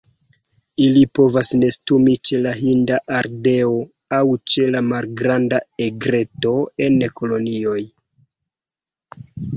Ili povas nestumi ĉe la Hinda ardeo aŭ ĉe la Malgranda egreto en kolonioj.